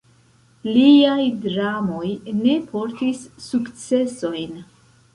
Liaj dramoj ne portis sukcesojn.